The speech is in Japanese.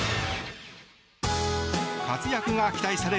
活躍が期待される